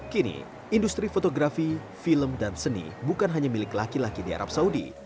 kini industri fotografi film dan seni bukan hanya milik laki laki di arab saudi